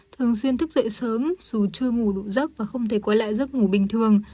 thường xuyên thức dậy sớm dù chưa ngủ đủ giấc và không thể quay lại giấc ngủ bình thường